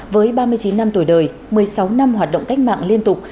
với ba mươi chín năm tuổi đời một mươi sáu năm hoạt động cách mạng liên tục